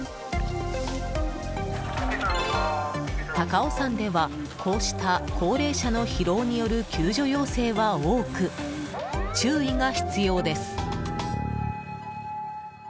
高尾山では、こうした高齢者の疲労による救助要請は多く注意が必要です。